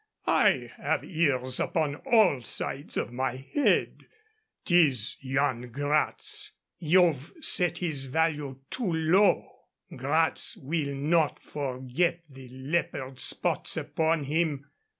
I have ears upon all sides of my head. 'Tis Yan Gratz. You've set his value too low. Gratz will not forget the leopard spots upon him.